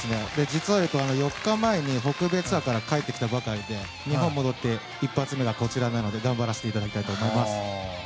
４日前に北米ツアーから帰ってきたばかりで日本戻って一発目がこちらなので頑張らせていただきたいと思います。